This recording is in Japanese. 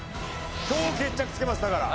今日決着つけますだから。